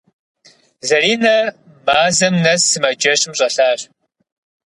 Зэринэ мазэм нэс сымаджэщым щӏэлъащ.